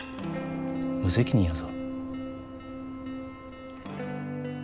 無責任やぞ。